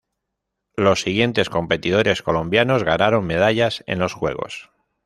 Los siguientes competidores colombianos ganaron medallas en los juegos.